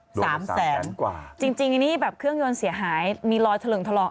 สามแสนกว่าจริงจริงอันนี้แบบเครื่องยนต์เสียหายมีรอยเถลิงทะลอง